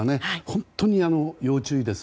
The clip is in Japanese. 本当に要注意です。